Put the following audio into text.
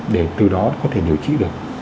để từ đó có thể điều trị được